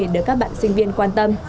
được các bạn sinh viên quan tâm